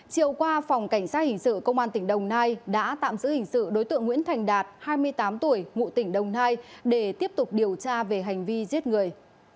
chiều qua phòng cảnh sát hình sự công an tỉnh đồng nai đã tạm giữ hình sự đối tượng nguyễn thành đạt hai mươi tám tuổi ngụ tỉnh đồng nai để tiếp tục điều tra về hành vi giết người